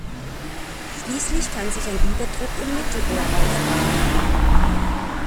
Schließlich kann sich ein Überdruck im Mittelohr aufbauen.